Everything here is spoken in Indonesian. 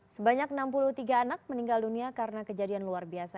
sebanyak enam puluh tiga anak meninggal dunia karena kejadian luar biasa